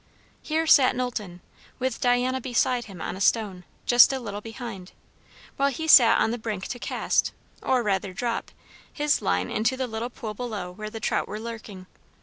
Here sat Knowlton, with Diana beside him on a stone, just a little behind; while he sat on the brink to cast, or rather drop, his line into the little pool below where the trout were lurking.